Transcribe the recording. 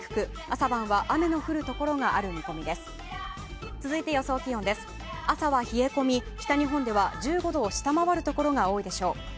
朝は冷え込み、北日本では１５度を下回るところが多いでしょう。